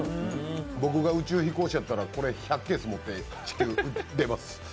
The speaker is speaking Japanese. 僕が宇宙飛行士やったらこれ１００ケース持って地球出ます。